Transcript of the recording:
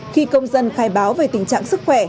khi công dân khai báo về tình trạng sức khỏe